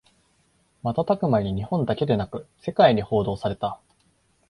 瞬く間に日本だけでなく世界に報道された